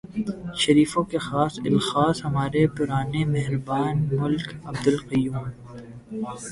شریفوں کے خاص الخاص ہمارے پرانے مہربان ملک عبدالقیوم۔